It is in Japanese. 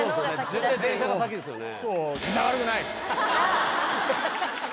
絶対電車が先ですよね